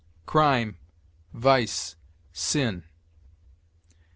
CRIME VICE SIN.